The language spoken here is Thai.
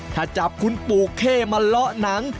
ถ้าจับคุณปู่เข้มาเลาะหนัง